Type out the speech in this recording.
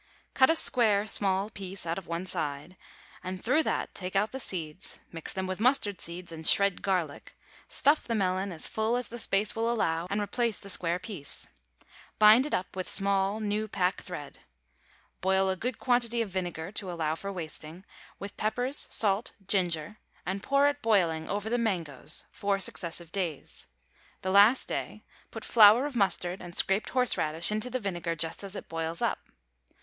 Cut a square small piece out of one side, and through that take out the seeds, mix with them mustard seeds and shred garlic, stuff the melon as full as the space will allow, and replace the square piece. Bind it up with small new pack thread. Boil a good quantity of vinegar, to allow for wasting, with peppers, salt, ginger, and pour it boiling over the mangoes, four successive days; the last day put flour of mustard and scraped horseradish into the vinegar just as it boils up.